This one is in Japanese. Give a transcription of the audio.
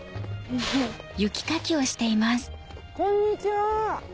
こんにちは。